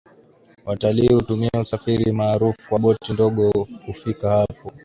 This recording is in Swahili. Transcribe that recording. Watalii hutumia usafiri maarufu wa boti ndogo kufika hapo